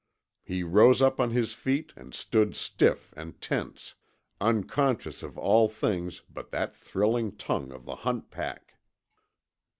He rose up on his feet and stood stiff and tense, unconscious of all things but that thrilling tongue of the hunt pack.